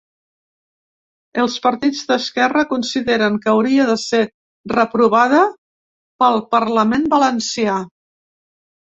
Els partits d’esquerra consideren que hauria de ser reprovada pel parlament valencià.